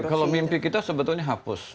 kalau mimpi kita sebetulnya hapus